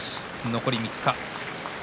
残りは３日。